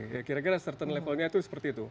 ya kira kira certane levelnya itu seperti itu